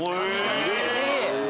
うれしい！